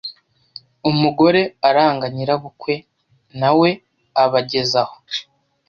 Umugore aranga nyirabukwe na we aba ageze aho